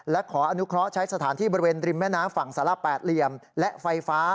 และขออนุเคราะห์ใช้สถานที่บริเวณริมแม่น้ำฝั่งสาระแปดเหลี่ยมและไฟฟ้า